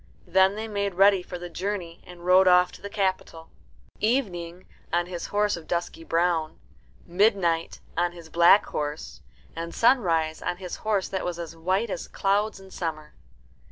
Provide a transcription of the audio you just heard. Then they made ready for the journey and rode off to the capital Evening on his horse of dusky brown, Midnight on his black horse, and Sunrise on his horse that was as white as clouds in summer.